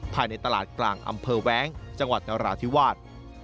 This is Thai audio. ภายในตลาดกลางอำเภอแว้งจังหวัดนราธิวาส